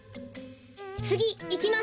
つぎいきます。